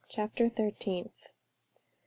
CHAPTER THIRTEENTH.